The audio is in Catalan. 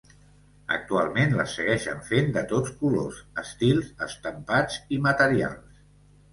Actualment les segueixen fent de tots colors, estils, estampats i materials.